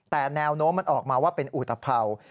แต่แนวโน้มมันออกมาว่าเป็นอุตภัวร์